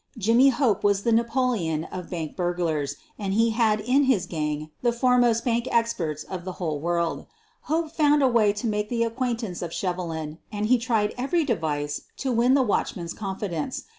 Jimmy Hope was the Na poleon of bank burglars, and he had in his gang the foremost bank experts of the whole world. Hope found a way to make the acquaintance of Shevelin and he tried every device to win the watchman's confidence.